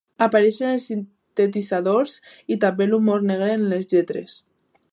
Apareixen els sintetitzadors i també l'humor negre en les lletres.